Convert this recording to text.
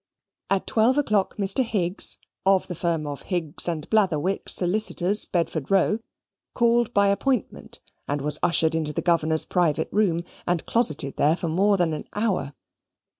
At twelve o'clock Mr. Higgs (of the firm of Higgs & Blatherwick, solicitors, Bedford Row) called by appointment, and was ushered into the governor's private room, and closeted there for more than an hour.